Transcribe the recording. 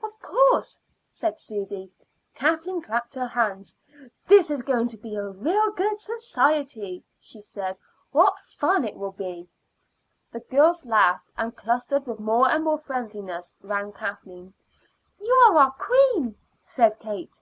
"Of course," said Susy. Kathleen clapped her hands. "This is going to be a real good secret society," she said. "What fun it all will be!" The girls laughed, and clustered with more and more friendliness round Kathleen. "You are our queen," said Kate.